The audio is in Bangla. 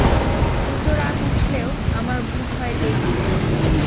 দ্রুত রাগ উঠলেও, আমাদের বুঝ হয় দেরিতে।